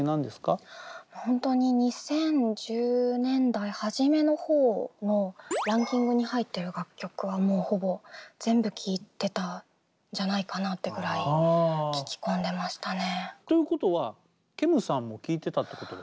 本当に２０１０年代初めの方のランキングに入ってる楽曲はもうほぼ全部聴いてたんじゃないかなってぐらい聴き込んでましたね。ということはもちろんです。